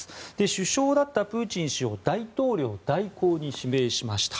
首相だったプーチン氏を大統領代行に指名しました。